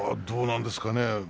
どうなんですかね。